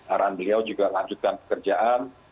arahan beliau juga lanjutkan pekerjaan